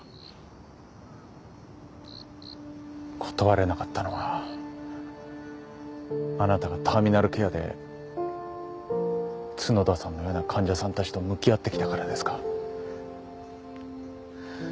断れなかったのはあなたがターミナルケアで角田さんのような患者さんたちと向き合ってきたからですか？